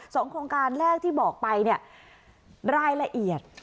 โครงการแรกที่บอกไปเนี่ยรายละเอียด